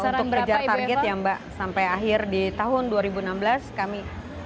untuk kejar target ya mbak sampai akhir di tahun dua ribu enam belas kami